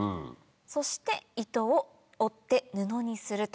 そして糸を織って布にすると。